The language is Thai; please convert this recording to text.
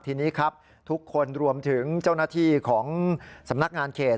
ทีนี้ครับทุกคนรวมถึงเจ้าหน้าที่ของสำนักงานเขต